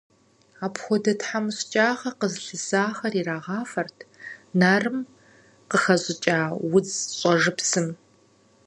Апхуэдэ тхьэмыщкӏагъэ зылъысахэр ирагъафэрт нарым къыхэщӏыкӏа удз щӏэжыпсым.